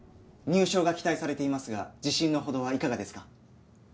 入賞が期待されていますが自信のほどはいかがですか？